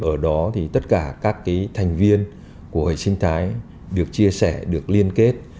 ở đó thì tất cả các cái thành viên của hệ sinh thái được chia sẻ được liên kết